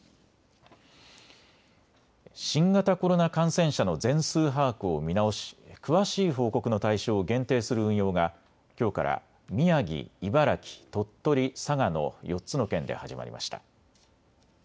新型コロナ感染者の全数把握を見直し、詳しい報告の対象を限定する運用がきょうから宮城、茨城、鳥取、佐賀の４つの県で始まりました。